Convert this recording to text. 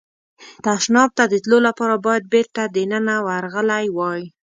تشناب ته د تلو لپاره باید بېرته دننه ورغلی وای.